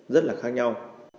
rất là khác nhau